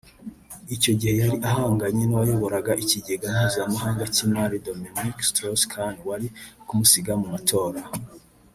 Icyo gihe yari ahanganye n’uwayoboraga ikigega mpuzamahanga cy’imari Dominic Strauss-kahn wari uri kumusiga mu matora